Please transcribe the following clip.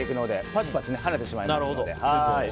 パチパチはねてしまいますので。